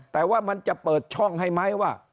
แต่ว่ามันจะเปิดช่องให้ไหมว่า